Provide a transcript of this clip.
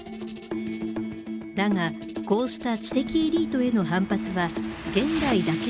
だがこうした知的エリートへの反発は現代だけのものではない。